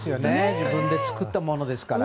自分で作ったものですから。